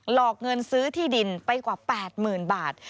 อกเงินซื้อที่ดินไปกว่า๘๐๐๐บาท